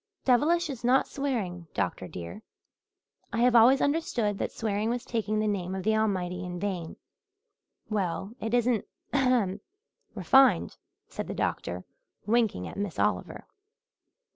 "'Devilish' is not swearing, doctor, dear. I have always understood that swearing was taking the name of the Almighty in vain?" "Well, it isn't ahem refined," said the doctor, winking at Miss Oliver.